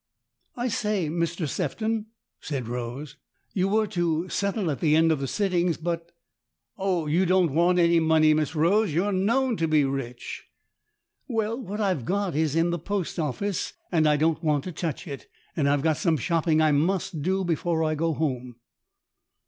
" I say, Mr Sefton," said Rose, " you were to settle at the end of the sittings, but "" Oh, you don't want any money, Miss Rose. You're known to be rich." "Well, what I've got is in the Post Office, and I don't want to touch it. And I've got some shopping I must do before I go home."